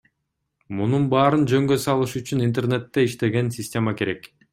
Мунун баарын жөнгө салыш үчүн интернетте иштеген система керек.